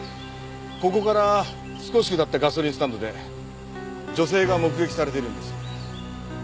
ここから少し下ったガソリンスタンドで女性が目撃されているんです。